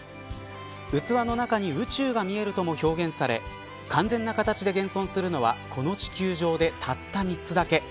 器の中に宇宙が見えるとも表現され完全な形で現存するのはこの地球上で、たった３つだけ。